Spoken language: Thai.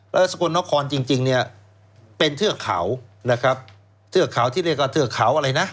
แล้วสกลนครจริงเนี่ยเป็นเทือกเขานะครับเทือกเขาที่เรียกว่าเทือกเขาอะไรนะ